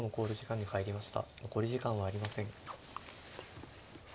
残り時間はありません。